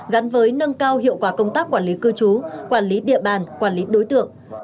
gắn với nâng cao hiệu quả công tác quản lý cư trú quản lý địa bàn quản lý đối tượng